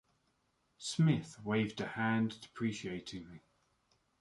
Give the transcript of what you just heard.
Smith waved a hand deprecatingly.